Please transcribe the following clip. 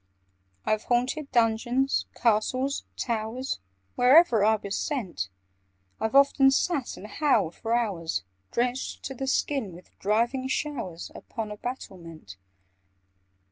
"I've haunted dungeons, castles, towers— Wherever I was sent: I've often sat and howled for hours, Drenched to the skin with driving showers, Upon a battlement.